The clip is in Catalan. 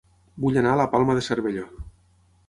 Vull anar a La Palma de Cervelló